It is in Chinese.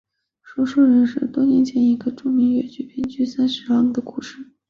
说书人说的是多年前一个著名的粤剧编剧南海十三郎的故事。